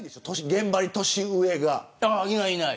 現場に年上が。